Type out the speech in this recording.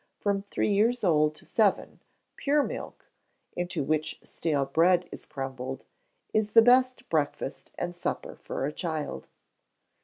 From three years old to seven, pure milk, into which stale bread is crumbled, is the best breakfast and supper for a child.